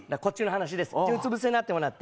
うつ伏せになってもらって。